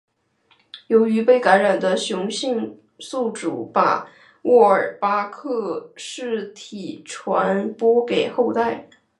仅由被感染的雌性宿主把沃尔巴克氏体传播给后代。